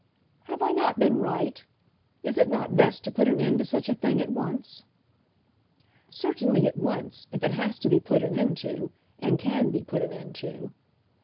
"Have I not been right? Is it not best to put an end to such a thing at once?" "Certainly at once, if it has to be put an end to, and can be put an end to."